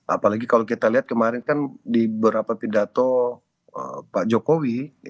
apalagi kalau kita lihat kemarin kan di beberapa pidato pak jokowi